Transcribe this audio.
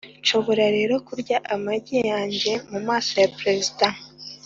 nshobora rero kurya amagi yanjye mumaso ya perezida,